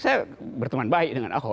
saya berteman baik dengan ahok